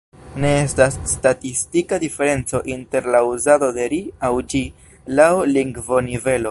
Ne estas statistika diferenco inter la uzado de ”ri” aŭ ”ĝi” laŭ lingvonivelo.